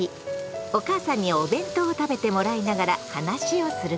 お母さんにお弁当を食べてもらいながら話をすることに。